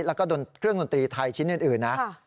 แล้วก็เครื่องดนตรีไทยชิ้นอื่นนะ